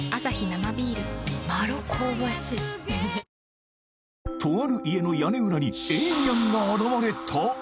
続くとある家の屋根裏にエイリアンが現れた？